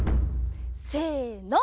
せの。